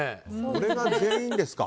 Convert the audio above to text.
それが全員ですか。